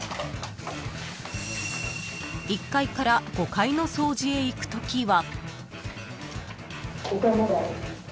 ［１階から５階の掃除へ行くときは］